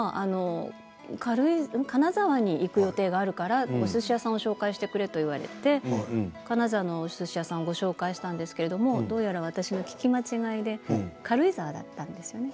金沢に行く予定があるからおすし屋さんを紹介してくれと言われて金沢のおすし屋さんをご紹介したんですがどうやら私の聞き間違いで軽井沢だったんですよね。